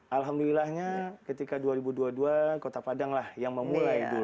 alhamdulillahnya ketika dua ribu dua puluh dua kota padang lah yang memulai dulu